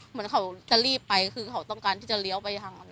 เหมือนเขาจะรีบไปคือเขาต้องการที่จะเลี้ยวไปทางอะไร